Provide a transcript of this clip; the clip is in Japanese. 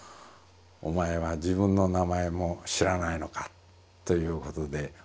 お前は自分の名前も知らないのかということで罰立たされまして。